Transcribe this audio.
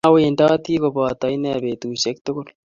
Awendoti koboto ine betusiek tugul